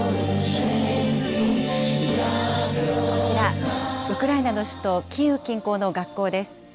こちら、ウクライナの首都キーウ近郊の学校です。